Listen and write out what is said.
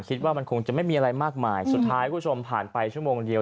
คิดว่ามันคงจะไม่มีอะไรมากมายสุดท้ายคุณผู้ชมผ่านไปชั่วโมงเดียว